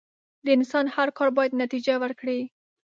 د انسان هر کار بايد نتیجه ورکړي.